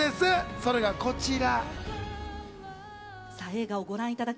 それがこちら。